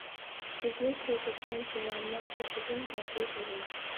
بىزنى كۆيدۈرگەن جۇۋاننىڭ، ئوتىدىن دەردى تولا.